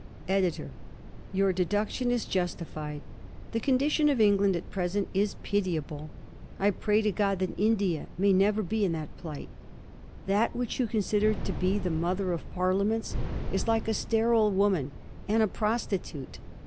EDITOR: Your deduction is justified. The condition of England at present is pitiable. I pray to God that India may never be in that plight. That which you consider to be the Mother of Parliaments is like a sterile woman and a prostitute.